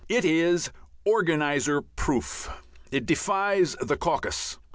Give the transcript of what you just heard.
It is organizer proof. It defies the caucus.